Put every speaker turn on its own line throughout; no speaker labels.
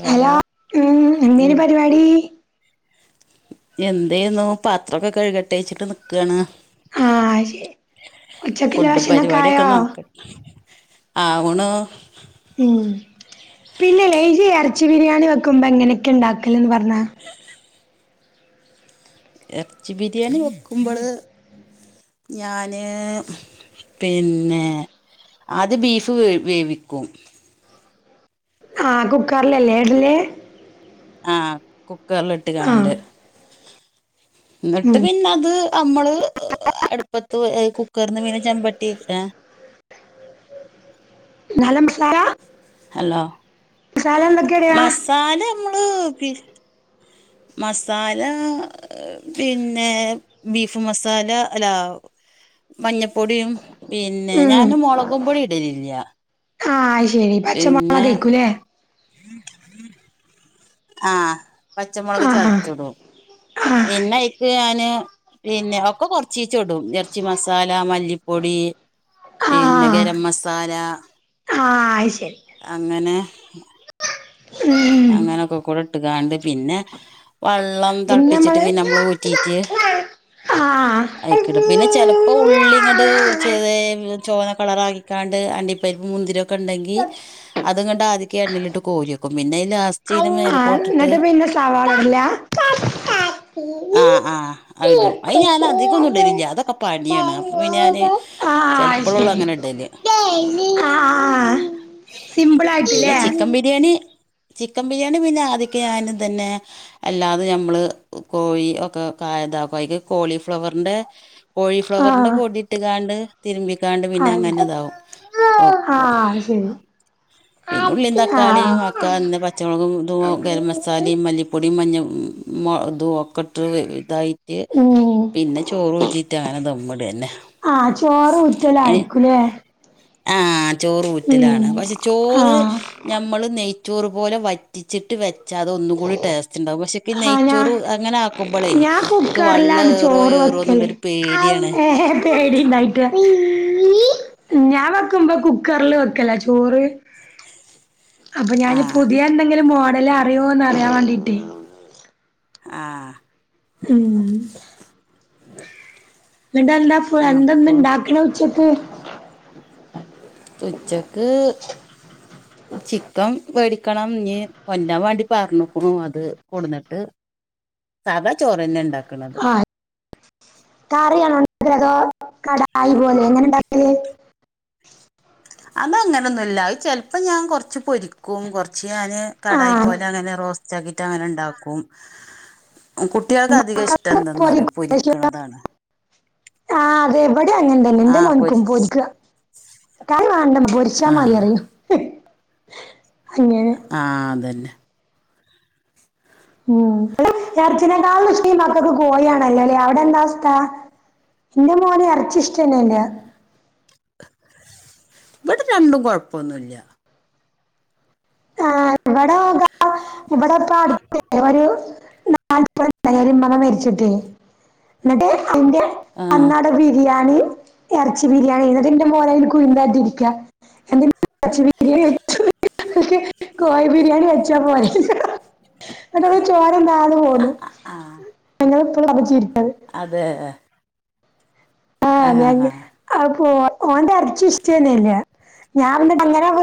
Lao
hello ഉം
ഉം
എന്തേനി പരിപാടി
എന്തേന്നൊ പാത്രൊക്കെ കഴുകട്ടെച്ച്ട്ട് നിക്വാണ്
ആഹ് ശരി ഉച്ചക്കുള്ള
ഫുഡ്
ഭക്ഷണൊക്കെ
പരിപാട്യക്കെ
ആയോ
നോക്ക്ണ് ആവ്ണ്
ഉം പിന്നെല്ലെ ഇജ്ജ് എറച്ചി ബിരിയാണി വെക്കുമ്പോ എങ്ങനെക്കെണ്ടാക്കലെന്ന് പറഞ്ഞാ
എറച്ചി ബിരിയാണി വെക്കുമ്പള് ഞാന് പിന്നെ ആദ്യം ബീഫ് വേ വേവിക്കും
ആഹ് കുക്കറിലല്ലേ എടല്
ആഹ്
ആഹ്
കുക്കറില്ട്ട്ക്വാണ്ട് എന്നിട്ട്
ഉം
പിന്നെ അത് അമ്മള് ഹ്ഹ് അടുപ്പത്ത് എഹ് കുക്കറ്ന്ന് പിന്നെ ചെമ്പട്ടിട്ട്
നാടൻമസാല
ഹലോ
എന്തൊക്കെ ഇടാ
മസാലമ്മ്ള് പിൻ മസാല ആഹ് പിന്നെ ബീഫ് മസാല അല്ലാ മഞ്ഞപ്പൊടിയും പിന്നെ
ഉം
ഞാന് മൊളകും പൊടി ഇടലില്ല്യാ
ഹായ്
പിന്നെ ആഹ് പച്ചമൊളക്
ആഹ്
ചതച്ച്ടും
ആഹ്
പിന്നെ
ശരി
എക്ക് ഞാന് പിന്നെ ഒക്കെ കൊറച്ചീച്ച്ടും എറച്ചി മസാല മല്ലിപ്പൊടി പിന്നെ
ആഹ്
ഗരംമസാല
ആഹ് അത് ശരി
അങ്ങനെ
ഉം
അങ്ങനൊക്കകൂടെ ഇട്ട്കാണ്ട് പിന്നെ വള്ളം
പിന്നെ
തെളപ്പിച്ച്ട്ട്
നമ്മള്
പിന്നെമ്മള് ഊറ്റീട്ട്
ആഹ്
അയ്ക്കിടും പിന്നെ ചെലപ്പോ ഉള്ളിങ്ങട് ചെറിയങ്ങ് ചൊവന്ന കളറായിക്ക്വാണ്ട് അണ്ടിപരിപ്പും മുന്തിരിയൊക്കെണ്ടെങ്കി അത്ങ്ങട്ട് ആദി ക്കെ എണ്ണെലിട്ട് കോരിവെക്കും പിന്നെയ് ലാസ്സ്
ആഹ് എന്നിട്ട് പിന്നെ സവാളയ്ല്ല
ആഹ് ആഹ് അതിടും അത് ഞാൻ അധികൊന്നും ഇടലില്ല അതൊക്കെ പണിയാണ് അപ്പൊ പിന്നെ ഞാന് ചെലപ്പളൊള്ളൂ
ആഹ്
അങ്ങനെ ഇടല്
അയ്ശെരി ആഹ് സിമ്പിളായിട്ട്ല്ലേ
ദ്യെണി ചിക്കൻ ബിരിയാണി പിന്നെ ആദ്യോക്കെ ഞാനിതന്നെ അല്ലാതെ ഞമ്മള് ക് കോഴി ഒക്കെ ക താക്കും അയില് കോളിഫ്ലവറിന്റെ
ആ
കോഴിഫ്ലവറിന്റെ പൊടി ഇട്ട്ക്വാണ്ട് തിരുമ്പിക്കാണ്ട്
ആ
പിന്നെ അങ്ങനെതാവും ഓഹ്
ആ
ക്കും
അത് ശരി ആ
പിന്നെ ഉള്ളീം തക്കാളിയും വാ ക്കാന്ന് പച്ചമൊളകും ഇതുവോ ഗരം മസാലേം മല്ലിപ്പൊടീം മഞ്ഞ മൊ ദുവൊ ക്കൊട്ട്റുവെ ഇതായിട്ട്
ഉം
പിന്നെ ചോറ് ഊറ്റിട്ടാണ് ദമ്മ്ടാ
ആഹ് ചോ റ് ഊറ്റലായിരിക്കൂലേ
ആഹ് ചോറ് ഊറ്റലാണ്
ഉം
പക്ഷെ
ആ
ചോറ് ഞമ്മള് നെയ് ചോറ് പോലെ വറ്റിച്ചിട്ട് വെച്ചാ അത് ഒന്നും കൂടി ടേസ്റ്റ്ണ്ടാവും പക്ഷെ ഈ
ആ ഞാ
നെയ്ച്ചോറ് അങ്ങനെ
ഞാൻ
ആക്കുമ്പളേക്ക് വെള്ളം
കുക്കറിലാണ്
ഏറോ
ചോറ്
ഏറോന്നുള്ളോരു പേടിയാണ്
പേടിയിണ്ടായിട്ട് ഞാ വെക്കുമ്പോ കുക്കറില് വെക്കല ചോറ് അപ്പൊ
ആ
ഞാന് പുതിയ എന്തെങ്കിലും മോഡലറിയോന്ന് അറിയാൻ വേണ്ടീട്ടേ
ആഹ്
ഉം എന്നിട്ടെന്താ പ്പ
ആ
എന്ത്ന്ന്
അപ്പൊ
ഇണ്ടാക്കണ് ഉച്ചക്ക്
ഉച്ചക്ക്
[inaudible]
ചിക്കൻ വേടിക്കണം ഞ് കൊല്ലാൻ വേണ്ടി പറഞ്ഞക്കുണു അത് കൊടന്നിട്ട് സാദാ ചോറ്ന്നെ ഇണ്ടാക്കണ്
ആഹ് കറിയണോ [unintelligible] കടായി പോലെ എങ്ങനെണ്ടാക്കല്
അതങ്ങനൊന്നുല്ല അത് ചെലപ്പോ ഞാൻ കൊറച്ച് പോരി ക്കും കൊറച്ച് ഞാന്
ആ
കടായി പോലെ അങ്ങനെ റോസ് റ്റാക്കിട്ടങ്ങനെണ്ടാക്കും കു ട്ടികൾക്ക് അധികം ഇഷ്ടം എന്താന്നറിയോ പൊരിക്കണതാണ്
ആഹ് അതെ ഇവിടെ അങ്ങനെ തന്നെയാ
ആ
എന്റെ
പൊരി
മോന്ക്കും പൊരിക്ക കറി വേണ്ട മ്മ പൊരിച്ചാ
ആ
മതിറയൂ അങ്ങിനെ
ആഹ് അതന്നെ
ഉം ഇവിടെ എറച്ചിനേക്കാളും ഇഷ്ട്ടെ മക്കക്ക് കോഴിയാണല്ലല്ലേ അവിടെ എന്താവസ്ഥ എന്റെ മോന് എറച്ചി ഇഷ്ടന്നെല്ല
ഇവിടെ രണ്ടും കൊഴപ്പോന്നുല്ല്യ
ആഹ് ഇവിടെ ഗാ ഇവിടെപ്പ അടുത്തല്ലെ വരൂ [unintelligible] മകൻ മരിച്ചിട്ട് എന്നിട്ട് അതിന്റെ
ആ
അന്നാടെ ബിരിയാണീം എറച്ചി ബിരിയാണി എന്നിട്ടന്റെ മോളയില് കുഴിന്താട്ടി ഇരിക്ക [unintelligible] എറച്ചി ബിരിയാണി വെ
[inaudible]
[unintelligible] കോഴി ബിരിയാണി വെച്ചാ പോരെ അതവളു ചോറുണാണ്ടു പോന്നു ഞങ്ങളപ്പളും പറഞ്ഞ് ചിരിക്കത്
അതെ ഏഹ്
അതെങ്കി അപ്പൊ ഓൽ ഓന്റെ എറച്ചി ഇഷ്ടന്നെല്ല ഞാൻ നിട്ടങ്ങനാങ്ങു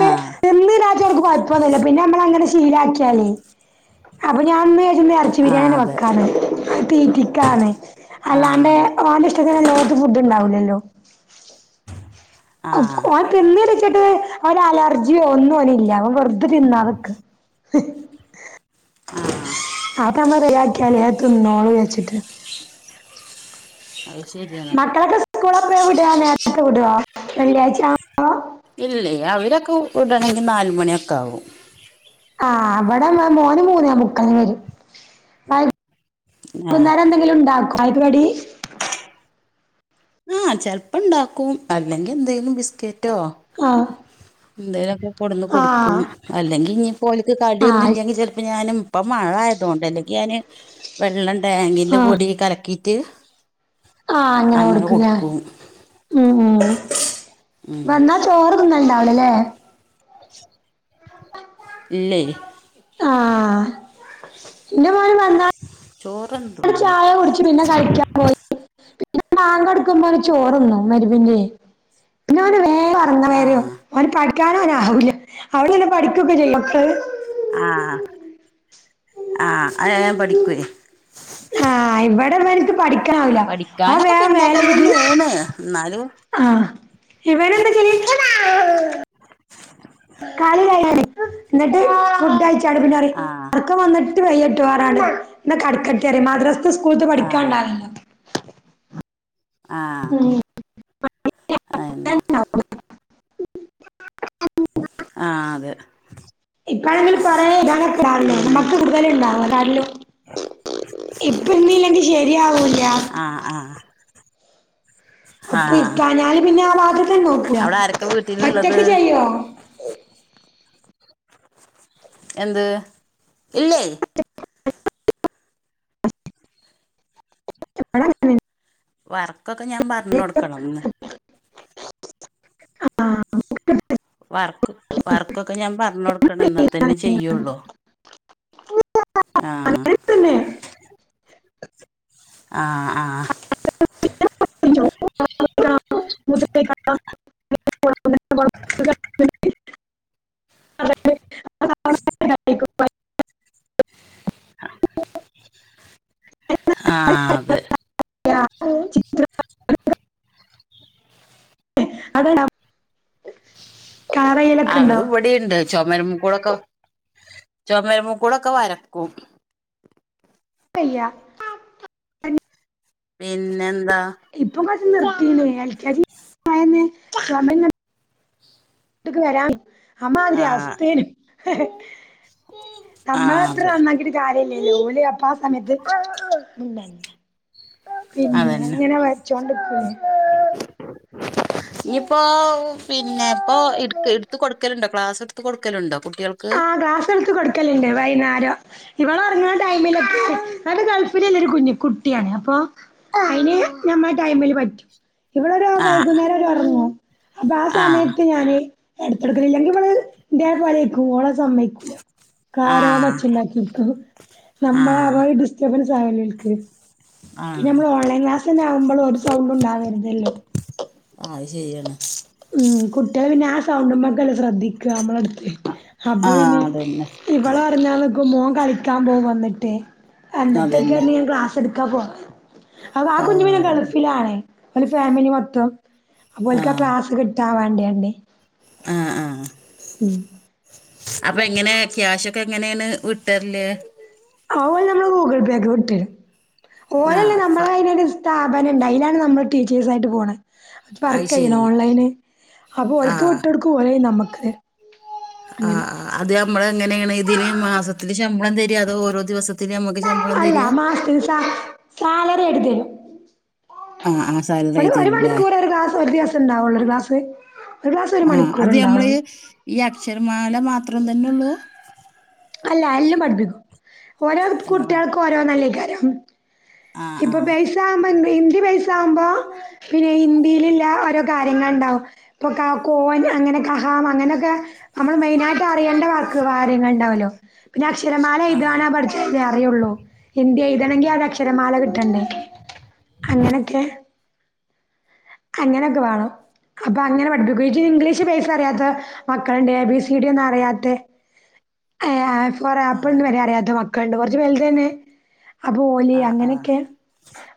ആ ആ
കൊഴപൊന്നുല പിന്നെ നമ്മളങ്ങെ ശീലക്കിയാലേ അപ്പൊ ഞാ
അതെ ആ അതെ
ഒ [unintelligible] [unintelligible] ഫുഡ്ണ്ടാവുല്ലല്ലോ
ആ
അവൻ തിന്ന് വച്ചിട്ട് അവന് അലർജിയോ ഒന്നും അവന് ഇല്ല അവൻ വെറുതെ തിന്നാ നിക്ക. [unintelligible]
ആഹ്
[unintelligible] തിന്നോളും വെച്ചിട്ട്.
അത് ശരി.
മക്കളൊക്കെ സ്കൂളെ പയ വിടുക നേരത്തെ വിടുവാ വെള്ളിയാഴ്ച? ആവുമ്പോ
ഇലെയ് അവരൊക്കെ വിടണെങ്കിൽ നാല്മണിയൊക്കെ ആകും.
ആഹ് ഇവിടെ മോന് മൂന്നെ മുക്കാൽ വരെ
ആ
ങ്കിലുംണ്ടാ കോ ചായക്ക് കടി?
ആഹ് ചെലപ്പം ഇണ്ടാക്കും അല്ലെങ്കിൽ എന്തെങ്കിലും ബിസ്ക്കറ്റോ?
ആ
എന്തേലൊക്കെ കൊടുന്ന്
ആ
കൊടുക്കും അല്ലെങ്കിൽ ഇനി. കോല്ക്ക്
ആ
കടിയൊന്നും ഇല്ലെങ്കിൽ ചെലപ്പ ഞാനും. ഇപ്പൊ മഴ ആയത് കൊണ്ട അല്ലെങ്കി ഞാന് വെള്ളം ഡാങ്കിന്റെ
ആ
പൊടി കലക്കിയിട്ട്.
ആഹ അങ്ങനെ കൊടുക്കുലേ ഉ ഉ
ഉം
വന്നാ. ചോറ് തിന്നല്ണ്ടാവു ലെ ല്ലേ?
ഇല്ലെയ്.
ആഹ ഇന്റെ മോനും വന്ന
ചോറ് ഒന്നും തിന്നു ല
[unintelligible] പിന്നെ ബാങ്കൊടുക്കുമ്പോ ഓന് ചോറിന്നു മ ഗ്രിബിന്റെ യ് പിന്നെ ഓന് വേ അങ്ങനെ വെരും
ആഹ്
ഓൻ പഠിക്കാനോന് അവൂല്ല അവിടെ പഠിക്കഒക്കെ ചെയ്യോ മക്കൾ.
ആഹ ആഹ ഏൻ പഠിക്കുവെയ്
ആഹ ഇവിടെ ഇവനിക്ക് പഠിക്കാനാവുല്ല ഓൻ
പഠിക്കാനൊക്കെ
വേഗം
പിന്നാക്കം
മേലെയ്കി
തന്നെയാണ് എന്നാലും
ആഹ ഇവന് എന്താ ചെയ? കളി കഴിഞാണേ ഫുഡ്‌ കഴിച്ചആൻഡ്
ആഹ്
ഉറകം വന്നിട്ട് വയട്ടോ പറഞ്ഞാണ്ട് പിന്നെ കടക്കട്ടെ പറയും മദ്ര സ്തെ സ്കൂൾതെ
ആഹ്
പഠിക്കാൻണ്ടാവില്ലോ.
ആഹ [inaudible] ആഹ് അതെ.
ഇപ്പൊ ആണങ്കിൽ
പിന്നെ
കൂടുതലും [unintelligible] ഇപ്പര്ന്നീല്ലെങ്കിൽ ശരിയാവൂല്ല.
ആഹ് ആഹ്
ഒപ്പ
ആഹ്
ഇരിക്കാഞ്ഞാല് പിന്നെ ആ വാത്തക്കെന്നെ നോക്കല
അവിടെ ആരൊക്കെ
ഒറ്റക്
വീട്ടിലുള്ളത്
ചെയ്യോ?
എന്ത് ഇലെയ്?
എപ്പളാ നിങ്ങൾ
വർക്കൊക്കെ ഞാൻ പറഞ് കൊടുക്കണം
[unintelligible] [inaudible]
വർക്ക് വർക്കൊക്കെ ഞാൻ പറഞ് കൊടുക്കണം എന്നാൽ തന്നെ ചെയ്യുള്ളൂ. ആഹ
അങ്ങനെ തന്നെ.
ആ ആ
ചോറ് [unintelligible] [inaudible]
[unintelligible] [inaudible]
[unintelligible] [inaudible]
[inaudible] ആഹ് അതെ
ചിത്രം [unintelligible] [inaudible] കാറയിലൊക്കെ
അഹ്
ഉണ്ടോ
ഇവിടിണ്ട് ചൊമര്മ്മ ക്കൂടൊക്കെ ചുമര്മ്മക്കൂടൊക്കെ വരക്കും.
പെയ്യ.
പിന്നെന്താ
ഇപ്പൊ കൊറച്ച് നിർത്തിന് എ കെ ജി അയന്ന് ചൊമര് ട്ട്ക്ക് വരാം അമ്മ അതിരീ
ആഹ്
അവസ്ഥേന് ഹ്ഹ് നമ്മള
ആഹ്
എത്ര
അതെ
നന്നാക്കിട്ട് കാര്യല്ലല്ലോ ഓല് അപ്പ ആ സമയത്ത്. പിന്നെ
അതന്നെ
എങ്ങനെ വരച്ചോണ്ട്ക്ണ്
ഞ്ഞിയിപ്പോ പിന്നെ. പ്പൊ ഇ ഇട്ത്ത്. കൊടുക്കലുണ്ടോ ക്ലാസ്ടുത്ത് കൊടുക്കലുണ്ടോ കുട്ടിട്ട്യോൾക്ക്
ആ. ക്‌ളാസ്ടുത്ത് കൊടുക്കല്ണ്ട്. വൈന്നരം ഇവൾ ഇറങ്‌ണ ടൈമിലൊക്കെ അത് ഗൾഫിലില്ലരു കുഞ് കുട്ടിയാണ് അപ്പൊ അയിന് നമ്മളെ ടൈമില് പറ്റും ഇവിളൊരു
ആഹ്
വൈകുന്നേരം ഒറങ്ങു അപ്പൊ ആ
ആഹ്
സമയത്ത് ഞാന് എടുത്ത്ടുക്കല്ല്ല്യങ്കി ഇവള് ന്റെപൊലെയ്ക്കും ഓളെ സമ്മയ്ക്കൂല
ആഹ്
കരൊന്നോച്ഛണ്ടാക്കിരിക്കും നമ്മള
ആഹ്
അവയ്ഡിസ്റ്റർബൻസ് ആവില്ലേഓൽക് പിന്നെ
ആഹ്
നമ്മൾ ഓൺലൈ ക്ലാസ്ന്നെ ആവുമ്പോൾ ഒരു സൗണ്ട്ണ്ടാവര്തല്ലോ.
അഹ് അത് ശരിയാണ്
ഉം കുട്ട്യോൾ പിന്നെ ആഹ് സൗണ്ട്മ്മക്കല്ലേ ശ്രദ്ധിക്ക നമ്മളട്ത്ത് അപ്പൊ
ആഹ്
പിന്നെ
അതന്നെ
ഇവളോറങ്ങാന്ക്കും മോൻ കളിക്കാൻ പോകും വന്നിട്ട് എന്നട്ടൊക്ക
അതന്നെ
ഞാൻ ക്ലാസ് എടുത്ത്. കാപോണ് അവ ആഹ് കുഞ്ഞു പിന്നെ ഗൾഫിലാണ് ഒരു ഫാമിലി മൊത്തം. അപ്പോ ഓൽക്ക്
ആഹ്
ക്ലാസ് കിട്ടാ വേണ്ടിയണ്ടി
ആഹ് ആഹ് അപ്പൊ എങ്ങനെയ ക്യാഷ ഒക്കെ എങ്ങനെണ്ട വിട്ടര്ല്
ആഹ് ഓല് നമ്മള് ഗൂഗുൾ പേക് വിട്ടരും
ആ
ഓലല്ലേ
ഫ
നമ്മളെ അയിന് ഡിസ് സ്ഥാപനണ്ട് അയിലാണ് നമ്മള് ടീച്ചേഴ്സായിട്ട്പോണ്
അത്
വർക്ക് ചെയ്യണ്
ശരി
ഓൺലൈന് അപ്പൊ ഓൽക്
ആഹ്
വിട്ടോട്ക്കു ഓലയ്ന് നമ്മക്.
ആഹ് ആഹ് അത് നമ്മള് എങ്ങനെണ് ഇതിന് മാസത്തില്ൽ ശമ്പളം തര് അതോ ഓരോ ദിവസത്തിന് നമ്മുക്ക് ഷ
അല്ല മാസത്തിൽ സ സാലറി എടുതെരു
ആഹ് ആഹ് സാലറി
ഒരു ഒരു
തരൂല്ലേ
മണിക്കൂർ ഒരു ക്ലാസ് ഒരു ദിവസണ്ടാവുള്ളൂ ഒരു ഗ്ലാസ് ഒരു ക്ലാസ് ഒരു
ആഹ്
മണിക്കൂർ
അത് നമ്മള്
ഉണ്ടാവും
ഈ അക്ഷരമാല മാത്രം തന്നെള്ളൂ..
അല്ല എല്ലം പഠിപ്പിക്കും ഓരോ
എല്ലാ പഠി
കുട്ടിയൾക് ഓരോനെല്ലക്കാരം
ആഹ്
ഇപ്പൊ ബൈസാവ്ബോ ഇന്തി ബൈസാവുമ്പോ പിന്നെ ഹിന്ദില്ല്ല ഓരോ കാര്യങ്ങള് ണ്ടാവും ഇപ്പ ക കോൻ അങ്ങനെ കഹാം അങ്ങനെക്കെ.. നമ്മള് മെയിനായിട്ട് അറിയണ് വാക്ക് കാര്യങ്ങൾണ്ടാവല്ലോ പിന്നെ അക്ഷരമാല
ആഹ്
എയിതാനോ പട്. അറിയൊള്ളൂ ഹിന്തി യെഴുതണങ്കി ആദ്യ അക്ഷരമാല കിട്ടണ്ടേ അങ്ങനൊക്കെ.. അങ്ങനൊക്കെ വാണം അപ്പൊ അങ്ങനെ പഠിപ്പിക്കു ജി ഇംഗ്ലീഷ് ബൈസ അറിയത്ത മക്കൾണ്ട് എ ബി സി ഡി ഒന്നുറിയാത്തെ ഹെ എ ഫോർ
ആഹ് ആഹ്
ആപ്പിൾന്ന് അറിയാത്ത മക്കൾണ്ട് കൊറച് വെൽത് തന്നെ അപ്പോ ഓലി
ആഹ്
അങ്ങനെക്കെ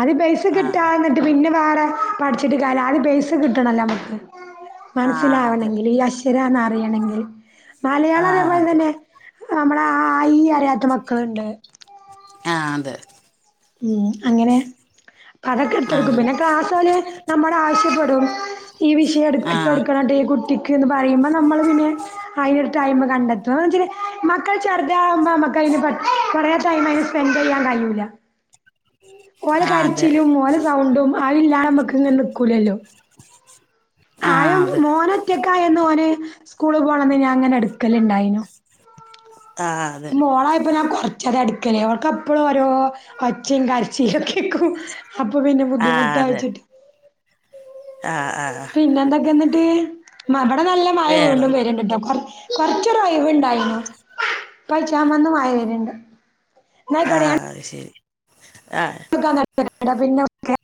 അത് ബൈസ് കിട്ടാ എന്നിട്ട് പിന്നെ വാറെ പഠിച്ചിട്ട്ലാല്ല ആദ്യ ബേസ്കിട്ടണല്ലോ നമക്ക്.
ആഹ് ആഹ് ആഹ് ആഹ് അത്
മനസ്സിലാവണങ്കിൽ ഈഅശ്ശരാന്ന് അറിയണെങ്കിൽ മലയാളം
ആഹ്
അതേപോലെ
അത്
തന്നെ അ ആ ഇ അറിയാത്ത മക്കൾണ്ട്.
ആത്
ഉം അങ്ങനെ അപ്പ അതൊക്കെ ഇട്തൊട്ക്കും
ആഹ്
പിന്നെ ക്ലാസ്സൊ ഓല് നമ്മടെ ആവശ്യപ്പെടും. ഈ വിഷയം
ആഹ് ആഹ്
ഇട്ടുതൊക്കണട്ടൊ ഈ കുട്ടിക്ക് ക്കെന്ന് പറയുമ്പോ നമ്മള് പിന്നെ അയിനൊരു ടൈം കണ്ടെത്തു അയ്ച്ചിനി മക്കൾ ചെറുതാവുമ്പോ അമ്മക്കയ്ന്. പ കൊറെ ടൈംയിന് സ്പെൻഡ്യ്യാൻ കയ്യൂല. ഓല
അതെ
കരച്ചിലും ഓലെ സൗണ്ടും അയില്ലാതെ നമ്മുക്ക്ങ്ങനെ നിക്കൂലല്ലോ.
ആഹ്
ആയം
അതെ
മോനൊറ്റക്കായന്ന് ഓന് സ്കൂൾ പോണന്ന് ഞൻ അങ്ങനെ എടുക്കല് ഉണ്ടായിനു.
ആഹ് അതെ
മോളായിപ്പൊ ഞാൻ കൊറച്ചത് എടുക്കലേ അവർക്ക്പ്പഴും ഓരോ ഒച്ചയും ക ചീ കേക്കും അപ്പൾ പിന്നെ
ആ
ബുദ്ധിമുട്ട്യച്ചിട്ട്
ആഹ് ആഹ്
പിന്നെ എന്തൊക്കെ എന്നിട്ട് മാ ബടെ നല്ല മഴ വീണ്ടും
വേറെന്താ
വരണ്ട്ട്ടോ കൊ കൊറച്ചരു ഒഴിവുണ്ടായിനു പ്പ ആയിച്ചമെന്ന് മഴ വരുണ്ട്
ആഹ് ശരി ആഹ്
ക്കെ [unintelligible] പിന്നെ വിളിക്കേ